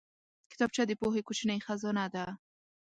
کتابچه د پوهې کوچنۍ خزانه ده